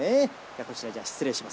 こちら、じゃあ、失礼します。